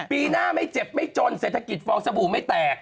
ปีหน้าไม่เจ็บไม่จนเศรษฐกิจฟองสบู่ไม่แตก